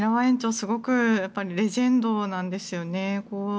すごくレジェンドなんですよね。